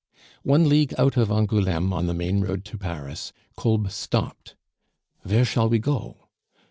One league out of Angouleme on the main road to Paris, Kolb stopped. "Vere shall we go?"